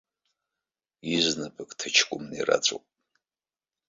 Изнапык ҭаҷкәымны ираҵәоуп.